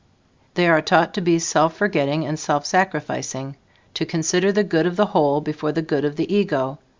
They are taught to be self forgetting and self sacrificing, to consider the good of the whole before the good of the ego.